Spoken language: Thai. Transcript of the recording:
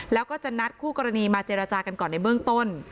แล้วก็จะนัดคู่กรณีมาเจรจากันก่อนในเบื้องต้น